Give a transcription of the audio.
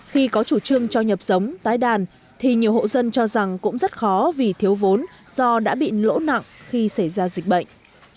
khi có chủ trương cho nhập giống tái đàn thì nhiều hộ dân cho rằng cũng rất khó vì thiếu vốn do đã bị lỗ nặng khi xảy ra dịch bệnh